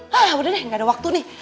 hah udah deh nggak ada waktu nih